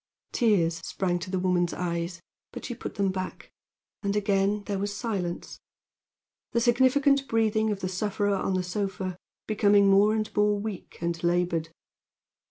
Tears sprang to the woman's eyes, but she put them back; and again there was silence, the significant breathing of the sufferer on the sofa becoming more and more weak and labored.